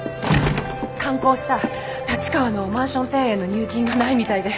完工した立川のマンション庭園の入金がないみたいで。